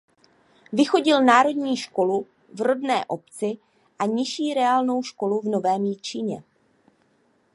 Vychodil národní školu v rodné obci a nižší reálnou školu v Novém Jičíně.